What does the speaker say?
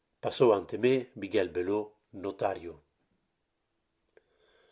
Passo ante me, Miguel Bellot, notario.